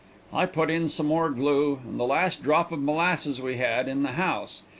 I put in some more glue and the last drop of molasses we had in the house.